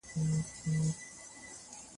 بنده ګان باید د خدای شکر ادا کړي.